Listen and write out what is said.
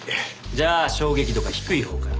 じゃあ衝撃度が低いほうから。